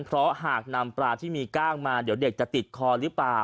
เพราะหากนำปลาที่มีกล้างมาเดี๋ยวเด็กจะติดคอหรือเปล่า